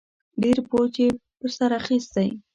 ډېر بوج یې په سر اخیستی